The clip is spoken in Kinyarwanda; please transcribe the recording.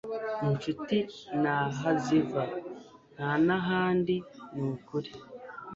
inshuti naha ziva ntanahandi nukuri